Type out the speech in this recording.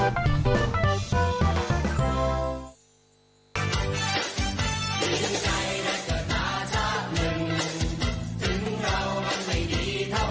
เพลง